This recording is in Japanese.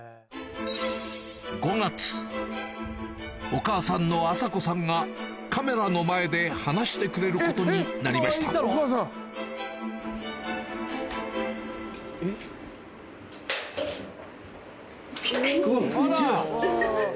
お母さんの麻子さんがカメラの前で話してくれることになりましたビックリした！